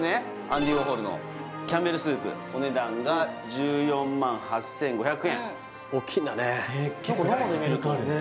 アンディ・ウォーホルのキャンベル・スープお値段が１４万８５００円おっきいんだね